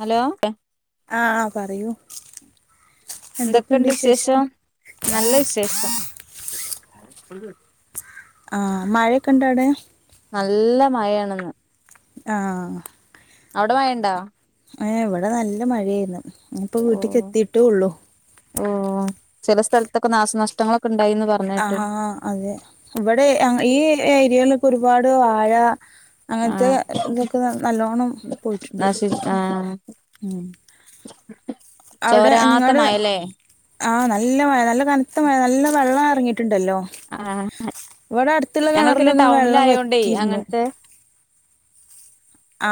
Hello ആ ആ പറയൂ എന്തൊക്കെണ്ട് വിശേഷം നല്ല വിശേഷം ആഹ് മഴയൊക്കിണ്ട അവടെ നല്ല മഴയാണിന്ന് ആഹ് അവടെ മഴണ്ടോ ഏ ഇവിടെ നല്ല മഴേരുന്നു ഇപ്പൊ ഓ വീട്ടിക്ക് എത്തീട്ടേ ഒള്ളു ഓ ചെല സ്ഥലത്തൊക്കെ നാശനഷ്ടങ്ങളൊക്കെണ് ആ ആഅതെ ഇവിടെ ആഈ ഏരിയേൽ ഒരുപാട് വാഴ ആ അങ്ങനത്തെ ഇതൊക്കെ നൽ നല്ലോണം പോയിട്ടുണ്ട് നശി ആ ഉം അവിടെ ചോരാത്ത നിങ്ങളുടെ മയല്ലേ ആഹ് നല്ല മഴ നല്ല കനത്ത മഴ നല്ല വെള്ളാ ട്ട്ണ്ടല്ലോ ആ ഇവടട്ത്ത്ള്ള ഞങ്ങള് പിന്നെ കിണറിലൊന്നും വെള്ളം ടൗണിലായോണ്ടേ വറ്റീര്ന്നു അങ്ങനത്തെ ആ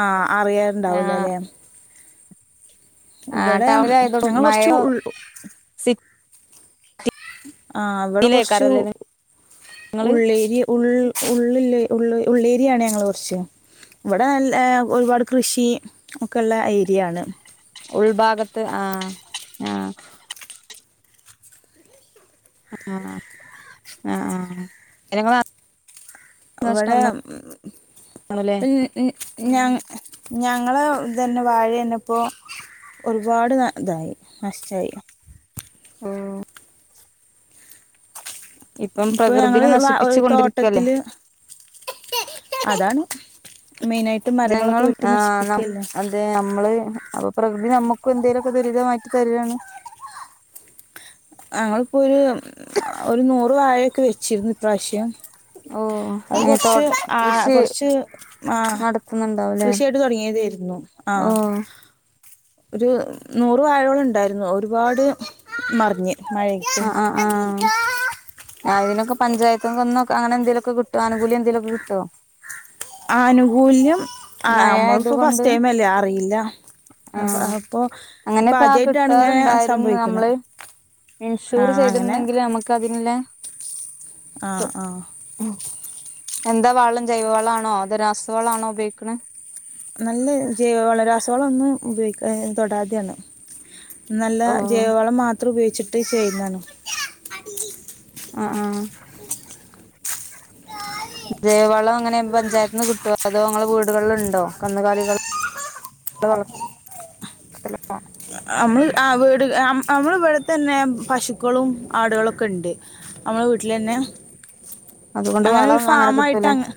ആ അറിയാറ്ണ്ടാവൂലാലേ ആ ഇവിടേം ടൗണിലായതോട് ഞങ്ങ മഴ കൊറച്ചു ഉൾ ആ ഇവടെ കൊറച്ച് സിറ്റിയിലേക്കാരല്ലേ നിങ്ങള് ഉള്ളേരിയ ഉൾ ഉള്ളില്ലേ ഉള്ളെ ഉള്ളേരിയാണ് ഞങ്ങള് കൊറച്ച് ഇവിടെ നല്ല ഒരുപാട് കൃഷി ഒക്കെള്ള ഏരിയാണ് ഉൾഭാഗത്ത് ആഹ് ആഹ് ആഹ് ആഹ് അയിനിങ്ങള നാ ഇവടെ കാണൂലേ [unintelligible] ഞങ്ങളെ തന്നെ വാഴയന്നെപ്പോ ഒരുപാട് നാ ഇതായി നഷ്ടായി ആഹ് ഇപ്പം ഇപ്പൊ ഞങ്ങള് പ്രകൃതിനെ വ ഒരു നശിപ്പിച്ചു കൊണ്ടിരിക്കല്ലേ തോട്ടത്തില് ആണ് ജനങ്ങളും ആ ന അതെ നമ്മള് അപ്പൊ പ്രകൃതി നമുക്കും എന്തേലുഒക്കെ ദുരിതമായിട്ട് തരാണ് ഞങ്ങൾപ്പൊരു ഒരു നൂറ് വാഴയൊക്കെ വെച്ചിരുന്നു ഇപ്രാശ്യം ഓ അത് ഏ തോ കൊറച്ച് ആ കൃഷി കൊറച്ച് ആ നടത്തുന്നുണ്ടാവുംല്ലേ കൃഷിയായിട്ട് തുടങ്ങിയതായിരുന്നു ആ ഓ. ഒരു നൂറ് വാഴോളണ്ടാരുന്നു ഒരുപാട് മറിഞ്ഞ്. മഴയെത്തും. [unintelligible] പഞ്ചായത്ത്ന്ന് വന്നോക്ക അങ്ങനെന്തെലൊക്കെ കിട്ട് ആനുകൂല്യം എന്തേലോക്കെ കിട്ട്വോ? ആനുകൂല്യം ആ മഴ നമ്മള്പ്പോ ആയതുകൊണ്ട് ഫസ്റ്റ് ടൈമല്ലേ അറിയില്ല ആ അപ് അപ്പൊ ഇപ്പൊ അങ്ങനെയൊക്കെ ആ ആദ്യയിട്ടാണ് ഇങ്ങനെ കിട്ടാറുണ്ടായിരുന്നു സംഭവിക്ക്ണ്. നമ്മള് ഇൻഷൂർ ചെയ്ത്ണ്ടെങ്കില് നമ്മക്ക അതിന്ല്ലേ ആഹ്, ആഹ്. എന്താ വളം ജൈവ വളാണോ അതോ രാസവളാണോ ഉപയോഗിക്ക്ണ്? നല്ല ജൈവവളം രാസവളം ഒന്നും ഉപയോഗിക്കാ തൊടാതേണ്. നല്ല ഓ ജൈവവളം മാത്രം ഉപയോഗിച്ച് ട്ട് ചെയ്യുന്നാണ്. ആ ആ. ജൈവ വളം എങ്ങനെ പഞ്ചായത്ത്ന്ന് കിട്ടോ അതോ ഇങ്ങളെ വീടുകളിൽ ഉണ്ടോ? കന്നുകാലികൾ [unintelligible] നമ്മൾ ആ വീട് അമ്മള ഇവിടെത്തന്നെ പശുക്കളും, ആടുകളൊക്കെണ്ട്. നമ്മളെ വീട്ടിലെന്നെ. അതുകൊണ്ട് അങ്ങനെ ഒരു വളം ഫാമായിട്ട് കിട്ടൂലേ അങ്ങ്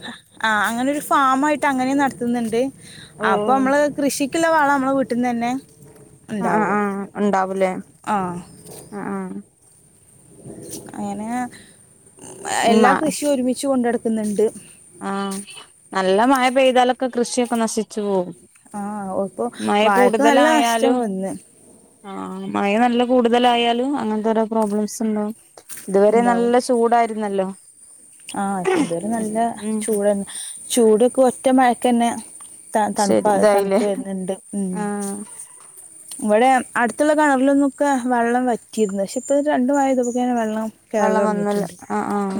ആ അങ്ങനെ ഒരു ഫാമായിട്ട് അങ്ങനെ നട ത്ത്ന്ന്ണ്ട് അപ്പൊ മ്മള് കൃഷി കിലോ വള നമ്മളെ വീട്ടീന്നന്നെ ആ ആ ആ ഉണ്ടാവൂലേ ആ ആ ആ അങ്ങനെ ങ് എല്ലാ കൃഷിയും ഒരുമിച്ച് തിന്ന്ണ്ട് ആഹ് നല്ല മയ പെയ്താലൊക്കെ കൃഷിയൊക്കെ നശിച്ചു പോകും ആഹ് പ്പൊ മഴ വാഴക്ക് നല്ല നഷ്ട്ടം കൂടുതലായാലും വന്ന് ആ മഴ നല്ല കൂടുതലായാലും അങ്ങനത്തോരോ പ്രോബ്ലംസ്ണ്ടാവും ഇതുവരെ ഉണ്ടാവും നല്ല ചൂടായി രുന്നല്ലോ ആ ഇപ്പൊ ഇതുവരെ നല്ല ല്ല ചൂടന്നെ ചൂടൊക്കെ ഒറ്റ മഴക്കന്നെ ത തണുപ്പ ശരി ഇതായില്ലേ തണ്ത്ത് വര്ണ് ണ്ട് ഉം ആ ഇവ്ടെ അട്ത്ത്ള്ള കെണർൽന്നൊക്കെ വെള്ളം വറ്റീര്ന്ന് ഷെ ഇപ്പൊ രണ്ട് മഴെയ്തപ്പോക്ക്നെന്നെ വെള്ളം കയറൽ വള്ളം വന്നുല്ലെ ആഹ് ആഹ്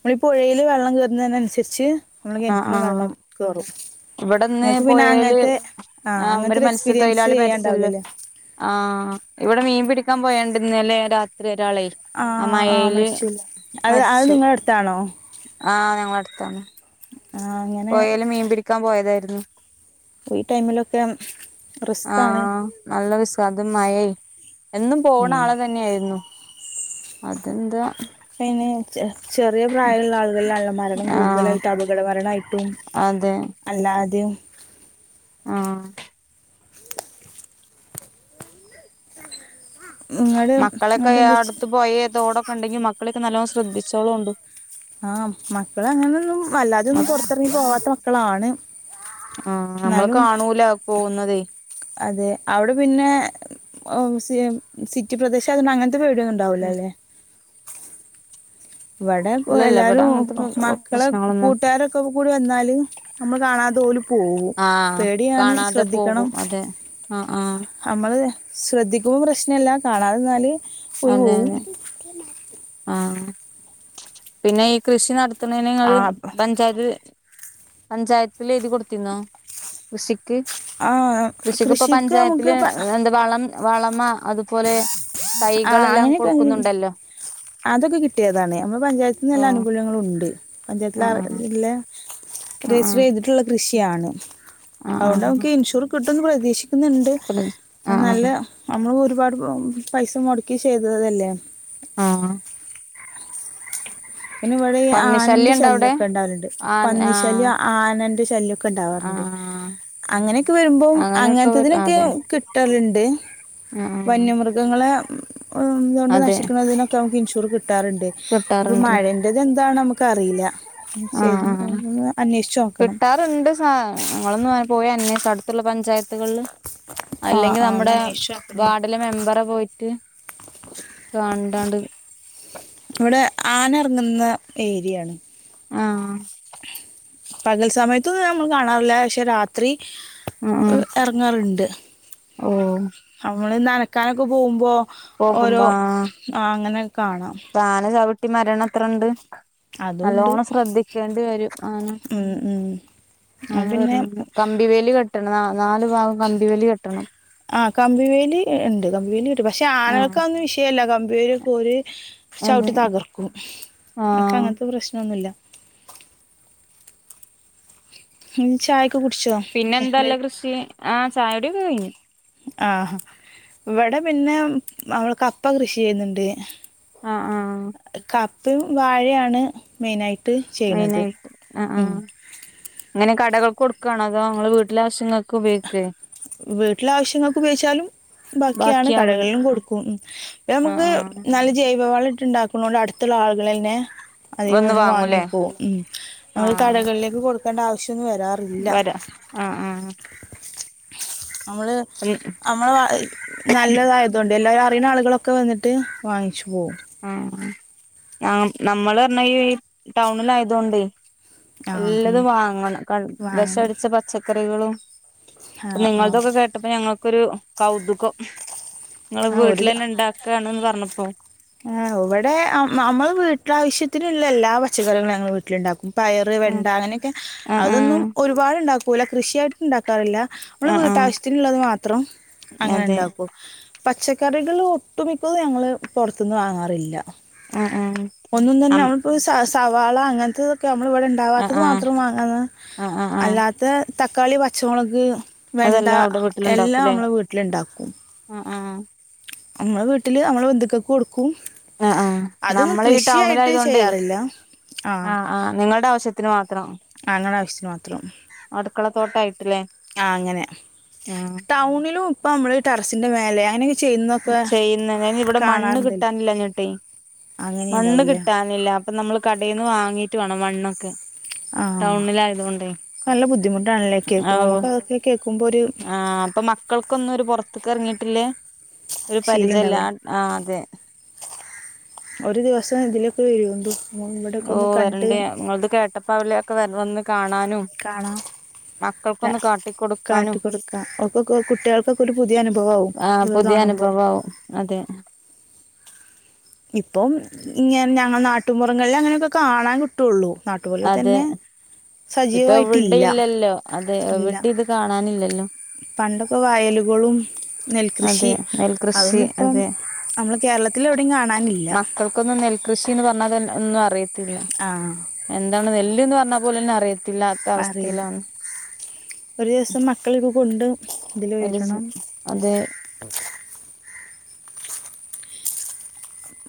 മ്മളീ പുഴയില് വെള്ളം കേറ്ന്നേനൻസര്ച്ച് മ്മളെ ആ കെൺറ്റിലും ആ വെള്ളം കേറും ഇവിടെന്ന് ഞങ്ങൾക്ക് പിന്നെ പുഴയില് അങ്ങൻത്തെ ആഹ് അങ്ങൻത്താെര് എക്സ്പീരിയൻസ് [unintelligible] മരിച്ചല്ലോ ചെയ്യാണ്ടാവില്ലല്ലേ ആഹ് ഇവിടെ മീൻ പിടി പോയാണ്ടുന്നലേ രാത്രി ഒരാളെ ആ ആഹ് ആഹ് മഴയില് മരിച്ചൂല്ലെ അത് അത് മരിച്ചു നിങ്ങളെ അട്ത്താണോ ആഹ് ഞങ്ങളെ അട്ത്താണ് ആ അങ്ങനെ പൊയേല് മീൻ പിടിക്കാൻ പോയതായി [unintelligible] ഈ ടൈമിലൊക്കെ റിസ്ക്കാണ് അത് മയയും എന്നും പോണ ആള് തന്നെയായിരുന്നു അതെന്താ പിന്നെ ചെ ചെറിയ പ്രായമുള്ള ആളുകളിലാണല്ലോ മരണം ആഹ് കൂടുതലായിട്ടും അപകട മരണമായിട്ടും അതെ അല്ലാതെയും ആഹ് ഇങ്ങട് മക്കളൊക്കെയാ ഇങ്ങടെന്താ അടുത്ത് പോയേ തോട ക്കൊണ്ടെങ്കി മക്കളെയൊക്കെ നല്ലോണം ശ്രദ്ധിച്ചോളും ഉണ്ട് ആഹ് മക്കളങ്ങനൊന്നും മ അല്ലാതെയൊന്നും പൊറത്തിറങ്ങി പോവാത്ത മക്കളാണ് ആഹ് നമ്മള് എന്നാലും കാണൂലാ പോകുന്നതേ അതെ അവിടെ പിന്നെ ഏഹ് സി സിറ്റി പ്രദേശായത് കൊണ്ട് അങ്ങനത്തെ പേടിയൊന്നും ഉണ്ടാവില്ലാല്ലേ ഇവിടെ ഇല്ലല്ല ഇവിടെ എല്ലാരും അങ്ങനത്തെ മക്കള് പ്രശ്നങ്ങളൊന്നും കൂട്ടുകാരൊക്കെ കൂടി വന്നാല് നമ്മള് കാണാതെ ഓല് പോവും. ആഹ് പേടിയാണ് കാണാതെ ശ്രദ്ധിക്കണം. പോകും അതെ ആഹ് ആഹ് നമ്മള് ശ്രദ്ധിക്കുമ്പം പ്രശ്നല്ല. കാണാതന്നാല്, ഓല് അതെ പോവും. അതെ ആഹ് പിന്നെ ഈ കൃഷി നട ത്ത്ണേന് ആ ഓല് പഞ്ചായത്ത് പഞ്ചായത്തില് എഴുതി കൊടുത്തിന്നോ? കൃഷി ക്ക് ആ കൃഷിക്ക് ഇപ്പം നമുക്ക് പഞ്ചായത്തില് പ എന്താ വളം വളമ അതുപോലെ ആഹ് തൈകളെല്ലാം അങ്ങന്യൊക്കെ കൊടുക്കുന്നുണ്ടല്ലോ അതൊക്കെ കിട്ടിയതാണ് നമ്മളെ പഞ്ചായത്തിന്ന് എല്ലാ ആഹ് ആനുകൂല്യങ്ങളു ഉണ്ട്. പഞ്ചായത്തിലാ ആഹ് ഇല്ലെ രജിസ്റ്റർ ആഹ് ചെയ്തിട്ടുള്ള കൃഷി ക്കെയാണ് അതൊണ്ട് ആഹ് നമുക്ക് ഇൻഷുർ കിട്ടും ന്ന് പ്രതീ [unintelligible] ക്കുന്നുണ്ട് ആഹ് ആഹ് നല്ല ആഹ് നമ്മള് ഒരു പ പൈസ മുടക്കി ചെയ്തതല്ലേ ആ പിന്നെ ഇവിടെ ഈ ആനന്റെ ശല്യക്കെ ഇണ്ടാവലുണ്ട് ആഹ് ആഹ് പന്നിശല്യം ആനന് ശല്യം ഒക്കെ ഉണ്ടാവാറുണ്ട് ആഹ് അങ്ങനെയൊക്കെ വരുമ്പോം അങ്ങനെയൊക്കെ അങ്ങനത്തതിനൊക്കെ അതെ കിട്ടല്ണ്ട് ആഹ് വന്യമൃഗങ്ങളെ ഇതോണ്ട് അതെ നശിക്കുന്നതിനൊക്കെ നമുക്ക് ഇൻഷുർ കിട്ടാറുണ്ട് കിട്ടാറുണ്ട് മഴന്റെത് എന്താണ് നമ്മക്ക് ക്കറീല്ല ആ ആ കിട്ടാറുണ്ട് സാ നിങ്ങളൊന്ന് പോയി അന്വേഷ ത്ത്ള്ള പഞ്ചായത്ത് ത്തുകളിൽ ആ അല്ലെങ്കിൽ ആ ഒന്ന് നമ്മുടെ അന്വേഷിച്ച് നോക്കണം വാർഡിലെ മെമ്പറെ പോയിട്ട് കാണ്ടാണ്ട് ഇവിടെ ആന ഇറങ്ങുന്ന ഏരിയാണ് ആ പകൽ സമയത്തൊന്നും നമ്മള് കാണാറില്ല പക്ഷെ രാത്രി ഉം ഉം എറങ്ങാറുണ്ട് ഓ നമ്മള് നനക്കാനൊക്കെ പോകുമ്പോ ഓരോ പോകുമ്പോ ആഹ് ആ അങ്ങനെ കാണാം ട്ടി മരണം എത്രണ്ട് അതുണ്ട് നല്ലോണം ശ്രദ്ധിക്കേണ്ടി വരും അങ്ങനെ ഉം ഉം അത് അങ്ങനെ പിന്നെ വരുമ്പം കമ്പിവേലി കെ ട്ടണം നാല് ഭാഗും കമ്പിവേലി കെട്ടണം. ആ കമ്പിവേലി ഉണ്ട് കമ്പിവേലി പക്ഷെ ആഹ് ആനകൾക്കതൊന്നും വിഷയല്ല കമ്പി അതേ പോലെ അത് ചവിട്ടി തകർക്കും എനിക്ക് ആഹ് അങ്ങനത്തെ പ്രശ്നം ഒന്നുല്ല. ഉം ചായ പിന്നെ എന്താല്ല കൃഷി ആ ചായകുടിയൊക്കെകയിഞ്ഞു. ആ ഇവിടെ പിന്നെ നമ്മൾ കപ്പ കൃഷി ചെയ്യുന്നുണ്ട്. ആ ആ ത്ത് വാഴേണ് മെയിനയി മെയിനായിട്ട് അ ആ അങ്ങനെ കടക കൊട്ക്കണോ അതൊ നിങ്ങൾ വീട്ടിലെ ആശ്യങ്ങൾക് ഉപയോഗി വീട്ടിലെ ആവശ്യങ്ങൾക്ക് ഉപയോഗിച്ചാലും ബാക്കിയാണ് ബാക്കിയാവും കടകളിലും കൊടുക്കും ഉം ആഹ് പിനമക്ക് ആഹ് നല്ല ജൈവവാളട്ട് ണ്ടാ ക്ക്ണോണ്ട് അട് ത്ത്ള്ള ആള്കളെന്നെ അധികം വന്ന് വാങ്ങിപ്പോവും ഉം അപ ആഹ് കടകളിലേക്ക് കൊടുക്കേണ്ട ആവ വരാ ആ ആ നമ്മള് അമ്മള് നല്ലതായതൊണ്ട് എല്ലരു റിണാളുകളൊക്കെ വന്നിട്ട് വാങ്ങിച്ചു പോവും ആ നാം നമ്മളർഞ്ഞ ഈ ടൗണിലായാതൊണ്ട് ആ അങ്ങനെ എല്ലതും വാങ്ങണം കൺ വെഷം വാങ്ങണം അടിച്ച പച്ചക്കറി ട്കളും ആ ആ നിങ്ങളതൊക്കെ കേട്ടപ്പോ ഞങ്ങ ഒരു കൗതുകം നിങ്ങൾ ആ വീട്ടിലെനെണ്ടാക്കണ് പർ [unintelligible] ആ ഇവിടെ അമഅമ്മള് വീട്ടിലാവശ്യ ത്തിനുള്ള എല്ല പച്ചക്കറികളും ഞങ്ങൾ വീട്ടിലുണ്ടാക്കും പയറ് ഉം വെണ്ട അങ്ങനെക്കെ ആഹ് അതൊന്നും ആഹ് ഒരുപാട്ണ്ടാക്കൂല കൃഷിയായിട്ട് ഇണ്ടാ ക്കാറില്ല നമ്മള് ആഹ് ആഹ് വീട്ടാവശ്യത്തിനുള്ളത് മാത്രം അങ്ങനെ അതെ ണ്ടാക്കും പച്ചക്കറികള് ഒട്ടുമിക്കത് ഞങ്ങള് പൊർത്ത്ന്ന് വാങ്ങാറില്ല ആഹ് ആഹ് ഒന്നും തന്നെ അം നമ്മളിപ്പോ സാസ് സവാള അങ്ങൻത്ത തൊ നമ്മള ഇവിടെ ആഹ് ഇണ്ടാവാത്തത് ആഹ് മാത്രം വാങ്ങന്ന് ആഹ് ആഹ് ആഹ് അല്ലാത്ത തക്കാളി പച്ചമൊളക് വെണ്ട അതെല്ലാം അവിടെ എല്ലാം മ്മളെ വീട്ടിലിണ്ടാക്കും ആ അമ്മളെ വീട്ടില് അമ്മളെ ബന്ധുക്കക്ക് കൊട് ആ ആ നമ്മൾ ഈ കൃഷിയായിട്ട് ടൗണിലായതോണ്ടേ ചെയ്യാറില്ല ആ ആ നിങ്ങളുടെ ആവശ്യത്തിന് മാത്രം അങ്ങളെ ആവശ്യത്തിന് മാത്രം അടുക്കളത്തോട്ടായി ആ അങ്ങനെ ടൗണിലും ഇപ്പ മ്മള് ടെറസിന്റെ മേലെ അങ്ങനെയൊക്കെ ചെയ്യുന്നതൊക്കെ ചെയ്യുന്നതിനിവിടെ മണ്ണ് കാണാറുണ്ടല്ലോ കിട്ടാനില്ലഞ്ഞിട്ടേയ് അങ്ങനെ മണ്ണ് ഉണ്ടാവില്ലേ കിട്ടാനില്ല അപ്പൊ നമ്മള് കടേന്ന് വാ ങ്ങീട്ട് വേണം മണ്ണൊക്കെ ആ ടൗണിലായതുകൊണ്ടേ നല്ല ബുദ്ധിമുട്ടാണല്ലേ കേൾക്കുബം നമുക്കതൊക്കെ കേക്കും ആ അപ്പം മക്കൾക്കൊന്നുംഒരു പൊറത്ത്ക്ക് എറങ്ങി ല്ല് ഒരു ശീലം പരിചയല്ല ഉണ്ടാവില്ല ആ അതെ ഒരു ദിവസം ഇതിലേഒക്കെ വരൂണ്ടു ഓ വരണ്ടേ ങ്ങളത് കേട്ടപ്പാ വില്ലേ വരണന്ന് കാ കാണാം കാട്ടിക്കൊടുക്കാനും കാട്ടിക്കൊടുക്കാം ഒക്കോക്കോ കുട്ടികൾക്കൊക്കെ ഒരു പുതിയ അനുഭവാവും ആഹ് ഇതൊക്കെ പുതിയ കാണുമ്പോ അനുഭവാവും അതെ ഇപ്പം ഇങ്ങ ഞങ്ങൾ നാട്ടുപുറങ്ങളിൽ അങ്ങനെയൊക്കെ കാണാൻ കിട്ടുള്ളൂ നാട്ടുപോലെ അതെ തന്നെ ഇപ്പൊ എവിടെ സജീവായിട്ടില്ല ഇല്ലല്ലോ അതെ ഇല്ല എവിടെ ഇത് കാണാനില്ലല്ലോ പണ്ടൊക്കെ വയലുകളും അതെ നെൽകൃഷി നെൽകൃഷി അതൊന്നുപ്പം അതെ നമ്മള് കേരളത്തിലെവടേം കാണാ മക്കൾക്കൊന്നും നെൽകൃഷിന്ന് പറഞ്ഞാലെന്ന ഒന്നു റിയത്തില്ല ആ എന്ത നെല്ല്ന്ന് പറഞ്ഞാപോലും ന്നെ അറി അറിയില്ല ഒരുസം മക്കളെ കൂ കൊണ്ട് ഇതിൽ ഒരൂസം വരണം അതെ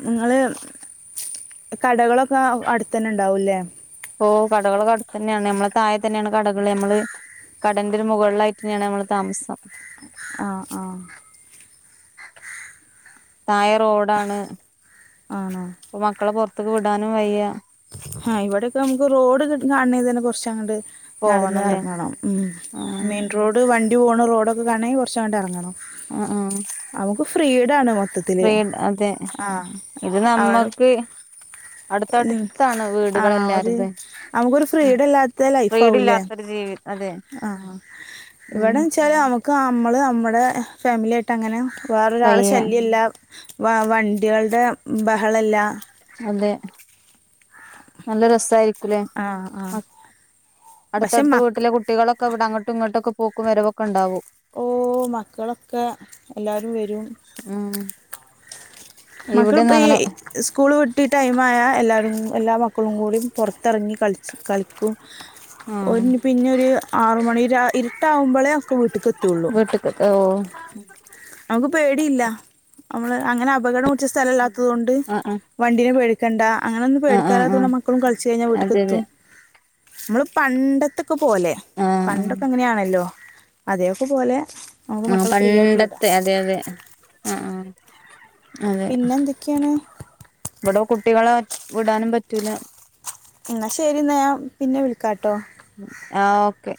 നിങ്ങള് കടകളൊക്കെ അടുത്ത് തന്നെ ഉണ്ടാവൂല്ലേ ഓ കടകളോക്കെ അടുത്ത് തന്നെയാണ് മ്മളെ തായെ തന്നെയാണ് കടകള് മ്മള് കടേന്റെ ഒരു മുകളിലായിട്ട് തന്നെയാണ് മ്മള് താമസം ആ ആ തായെ റോഡാണ് ആണോ മക്കളെ പൊറ ത്ത്ക്ക് വിടാനും വയ്യ ഹ ഇവിടെ ഇപ്പ നമുക്ക് റോഡ് കിട്ട്ണ കാണ തന്നെ കുറച്ച അങ്ങട് നടന്ന് പോവണല്ലേ ഇറങ്ങണം ഉം ആഹ് മെയിൻ റോഡ് വണ്ടി പോണ റോഡ് ഇവിടൊക്കെ കാണേ കുറച്ച അങ്ങട്ട് ഇറങ്ങണം നമുക്ക് ഫ്രീ ഇടാണ് വോ [unintelligible] വേം അതെ ഇത് അവിടെ നമ്മുക്ക് ഉം അടുത്തടുത്ത് ആ ഒര് നമുക്കൊരു ഫ്രീഡം ഇല്ലാത്ത ലൈഫ് ഫ്രീഡം ആവൂലേ ഇല്ലാത്തൊരു ജീവി അതെ ആ ഉം ഇവിടെ വെച്ചാല് നമുക്ക് നമ്മള് നമ്മടെ ഫാമിലി ആയിട്ടങ്ങനെ വേറൊരാളെ വയ്യ ശല്യല്ല വ വണ്ടികളുടെ ബഹളല്ല അതെ നല്ല രസയിരിക്കൂല്ലേ ആ ആ പക്ഷെ അടുത്തടുത്ത മക്ക് വീട്ടിലെ കുട്ടികളൊക്കെ ഇവിടെ അങ്ങോട്ടും ഇങ്ങോട്ടൊക്കെ- പൂക്കുവരവ് വൊക്കെണ്ടാവും ഓ മക്കളൊക്കെ എല്ലാരും വരും ഉം മക്കള് ഇവിടെന്ന് പോയി അങ്ങനെ സ്കൂൾ വി ട്ട് ടൈമായ എല്ലാവരും എല്ലാ മക്കളും കൂടിയും പുറത്തിറങ്ങി കളിച്ച് കളിക്കും ആ ഓര് പിന്നെ ഒരു ആറു മണി ഇരുട്ടാവുമ്പോളേ ഒക്കെ വീട്ട്ക്ക് എത്തുള്ളു വീട്ടക്ക് ഓ നമുക്ക് പേടിയില്ല നമ്മള് അങ്ങനെ അപകടം ജസ്ഥലല്ല [inaudible] തോണ്ട് ആ ആ വണ്ടിനെ പേടി നിക്കണ്ട അങ്ങനൊന്നും ആ ആ ആ പേടിക്കാലാതോണ്ട് മക്കളും കളിച്ച് കഴിഞ്ഞാൽ വീട്ട്ക്ക് അതെ എത്തും അതെ നമ്മള് പണ്ടതെ ത്തൊക്കെ പോലെ ആ ആ പണ്ടൊക്കെ എങ്ങനെയാണല്ലോ അതെയൊക്കെ പോലെ നമുക്ക് ആ മക്കളെ ഫ്രീ ആയിട്ട് വിടാം പണ്ടത്തെ അതെ അതെ ആഹ് ആഹ് പിന്നെ എന്തൊക്കെയാണ്? ഇവിടെ കുട്ടികളെ വിടാനും പറ്റൂല എന്ന ശരി എന്നാ ഞാൻ പിന്നെ വിളിക്കാട്ടോ ആ ഓക്കെ